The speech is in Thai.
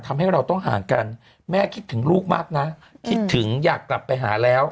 ทำให้เราต้องห่างกันแม่คิดถึงลูกมากนะคิดถึงอยากกลับไปหาแล้ว